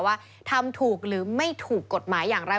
ว่าทำถูกหรือไม่ถูกกฎหมายอย่างไร